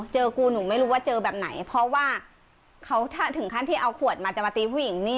เจอกูหนูไม่รู้ว่าเจอแบบไหนเพราะว่าเขาถ้าถึงขั้นที่เอาขวดมาจะมาตีผู้หญิงนี่